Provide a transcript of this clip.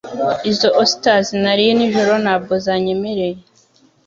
Izo osters nariye nijoro ntabwo zanyemereye